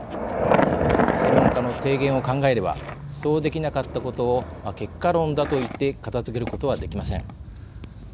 専門家の提言を考えればそうできなかったことを結果論だと言って片づけることはできません。